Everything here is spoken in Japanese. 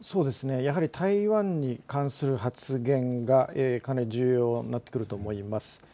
やはり台湾に関する発言がかなり重要になってくると思います。